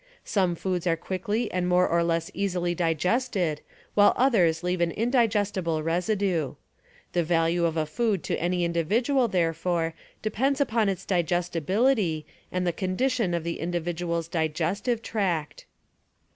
Some foods are quickly and more Digesti or less easily digested, while others leave an indigestible bility residue. The value of a food to any individual therefore depends upon its digestibility and the condition of the individual's digestive tract.